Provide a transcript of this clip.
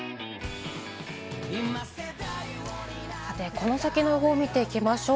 この先の予報を見ていきましょう。